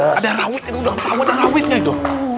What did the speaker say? ada rawit yang udah tau ada rawitnya itu